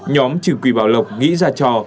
nhóm trừ quỷ bảo lộc nghĩ ra trò